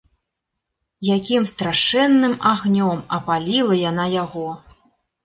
Якім страшэнным агнём апаліла яна яго!